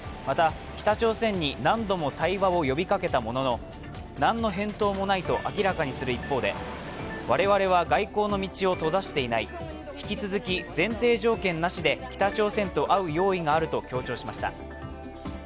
また北朝鮮に何度も対話を呼びかけたものの何の返答もないと明らかにする一方で我々は外交の道を閉ざしていない、引き続き、前提条件なしで北朝鮮と会う用意があると強調しました。